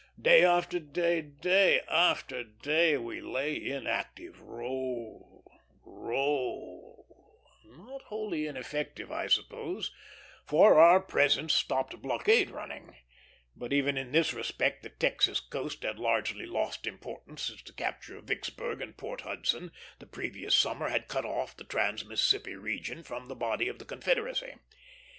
Day after day, day after day, we lay inactive roll, roll; not wholly ineffective, I suppose, for our presence stopped blockade running; but even in this respect the Texas coast had largely lost importance since the capture of Vicksburg and Port Hudson, the previous summer, had cut off the trans Mississippi region from the body of the Confederacy.